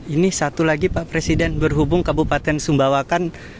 ini satu lagi pak presiden berhubung kabupaten sumbawakan